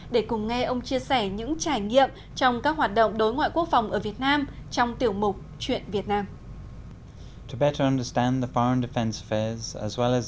để cùng nghe ông chia sẻ những trải nghiệm trong các hoạt động đối ngoại quốc phòng ở việt nam trong tiểu mục chuyện việt nam